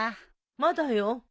まだよ。